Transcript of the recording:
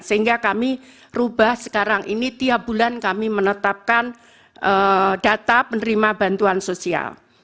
sehingga kami rubah sekarang ini tiap bulan kami menetapkan data penerima bantuan sosial